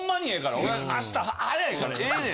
俺明日早いからええねん」。